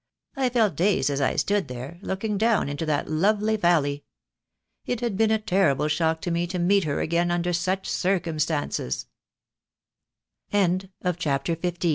I felt dazed as I stood there, looking down into that lovely valley. It had been a terrible shock to me to meet her again under such circumstance